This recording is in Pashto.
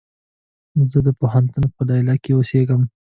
زه د پوهنتون په ليليه کې اوسيږم